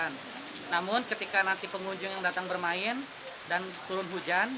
namun ketika nanti pengunjung yang datang bermain dan turun hujan